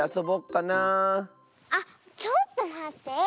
あっちょっとまって。